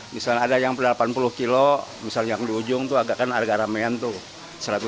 misalnya ada yang delapan puluh kilo misalnya yang di ujung agakkan harga ramean tuh